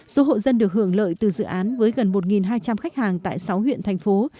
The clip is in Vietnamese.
số hộ dân được hưởng lợi từ dự án với gần một hai trăm linh khách hàng tại sáu huyện thành phố